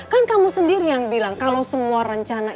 kan kamu sendiri yang bilang kalau semua rencana